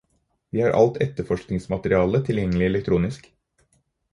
De har alt etterforskningsmaterialet tilgjengelig elektronisk.